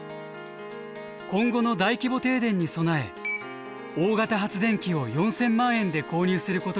今後の大規模停電に備え大型発電機を４，０００万円で購入することにしたのです。